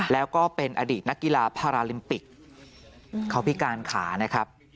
แล้วก็เป็นอดีตนักกีฬาพาราลิมปิกเขาพิการขานะครับ